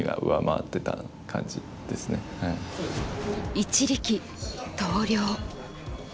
一力投了。